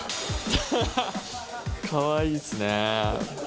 かわいいっすねぇ。